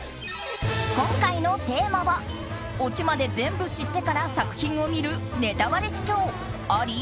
今回のテーマはオチまで全部知ってから作品を見るネタバレ視聴あり？